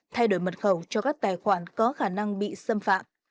thay đổi mật khẩu cho các tài khoản có khả năng bị xâm phạm